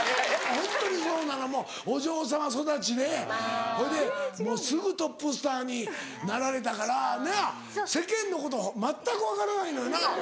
本当にそうなのお嬢さま育ちでほいですぐトップスターになられたから世間のことを全く分からないのよな。